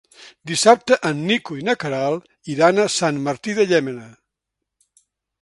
Dissabte en Nico i na Queralt iran a Sant Martí de Llémena.